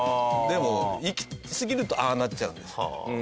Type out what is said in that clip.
でもいきすぎるとああなっちゃうんです。